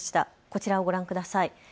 こちらをご覧ください。